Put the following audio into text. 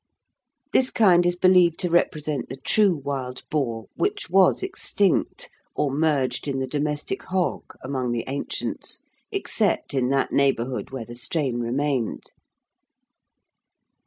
This kind is believed to represent the true wild boar, which was extinct, or merged in the domestic hog among the ancients, except in that neighbourhood where the strain remained.